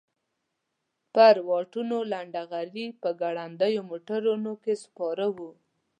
پر واټونو لنډه غري په ګړندیو موټرونو کې سپاره وو.